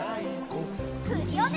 クリオネ！